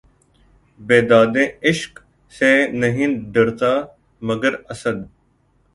بیدادِ عشق سے نہیں ڈرتا، مگر اسد!